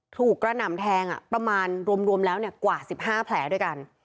กระหน่ำแทงประมาณรวมแล้วกว่า๑๕แผลด้วยกัน